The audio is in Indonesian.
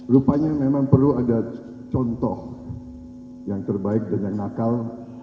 rupanya memang perlu ada contoh yang terbaik dan yang nakal